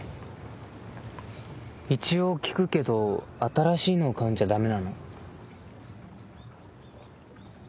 一応聞くけど新しいのを買うんじゃダメなの？